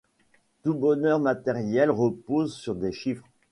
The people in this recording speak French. Tout bonheur matériel repose sur des chiffres.